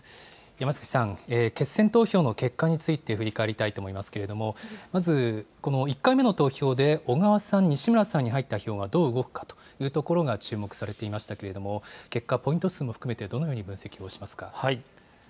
山崎さん、決選投票の結果について振り返りたいと思いますけれども、まず、この１回目の投票で、小川さん、西村さんに入った票がどう動くかというところが注目されていましたけれども、結果、ポイント数も含めてどのように分析をしますか。